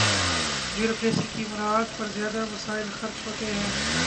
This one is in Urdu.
بیوروکریسی کی مراعات پر زیادہ وسائل خرچ ہوتے ہیں۔